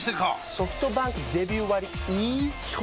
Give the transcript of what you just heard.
ソフトバンクデビュー割イズ基本